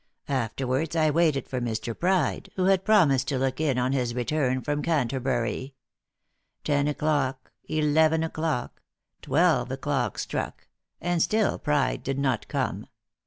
Afterwards I waited for Mr. Pride, who had promised to look in on his return from Canterbury. Ten o'clock, eleven o'clock, twelve o'clock struck, and still Pride did not come.